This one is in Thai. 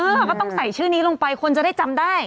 ก็ต้องใส่ชื่อนี้ลงไปคนจะได้จำได้